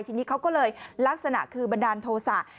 ทีนี้เขาก็เลยลักษณะคือบันดาลโทษะ